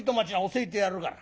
教えてやるから。